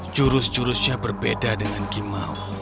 jurus jurusnya berbeda dengan kimau